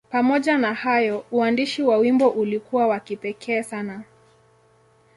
Pamoja na hayo, uandishi wa wimbo ulikuwa wa kipekee sana.